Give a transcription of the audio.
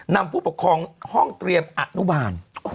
ผู้ปกครองห้องเตรียมอนุบาล